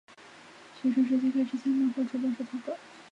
学生时期开始向漫画出版社投稿。